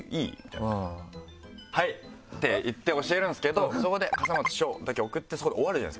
「はい！」って言って教えるんですけどそこで「笠松将」だけ送ってそこで終わるじゃないですか普通。